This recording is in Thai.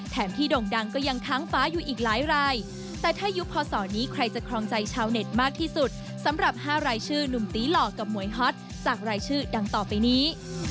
ที่โด่งดังก็ยังค้างฟ้าอยู่อีกหลายรายแต่ถ้ายุคพศนี้ใครจะครองใจชาวเน็ตมากที่สุดสำหรับ๕รายชื่อหนุ่มตีหล่อกับมวยฮอตจากรายชื่อดังต่อไปนี้